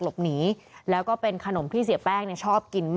และก็คือว่าถึงแม้วันนี้จะพบรอยเท้าเสียแป้งจริงไหม